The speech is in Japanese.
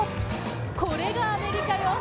これがアメリカよ！